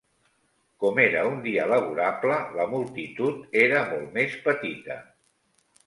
Com era un dia laborable, la multitud era molt més petita.